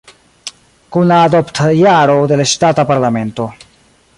Kun la adopt-jaro de la ŝtata parlamento.